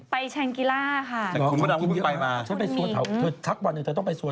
ไปขายรายการตลาดโสดสนับป้าว